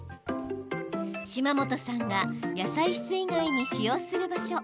島本さんが野菜室以外に使用する場所